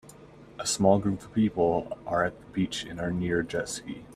A small group of people are at the beach and are near a jet ski.